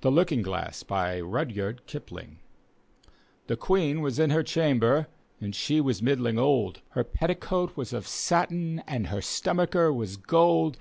THE LOOKING GLASS : RiroYARD kipunc The Queen was in her chamber, and ^e was middling old. Her petticoat was of satin, and her st<»nacher was gold.